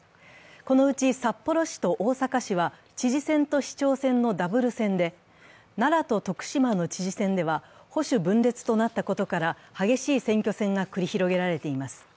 このうち札幌市と大阪市は知事選と市長選のダブル選で奈良と徳島の知事選では、保守分裂となったことから激しい選挙戦が繰り広げられています。